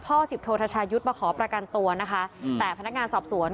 สิบโททชายุทธ์มาขอประกันตัวนะคะแต่พนักงานสอบสวน